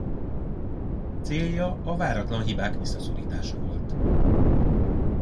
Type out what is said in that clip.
Célja a váratlan hibák visszaszorítása volt.